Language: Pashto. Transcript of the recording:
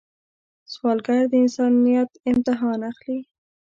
سوالګر د انسانیت امتحان اخلي